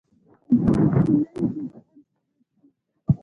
په دې خیال کې نه یو چې په هر ساعت کې.